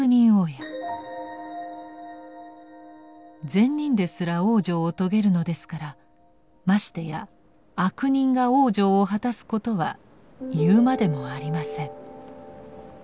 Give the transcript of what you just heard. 「善人ですら往生をとげるのですからましてや悪人が往生を果たすことは言うまでもありません」。